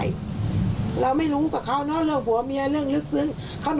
คือเขาไม่ได้มาหลายวันแล้วแต่ไม่ถึงเดือนไม่ถึงสิบวัน